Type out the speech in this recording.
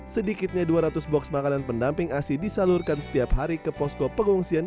sedikitnya dua ratus box makanan pendamping asi disalurkan setiap hari ke posko pengungsian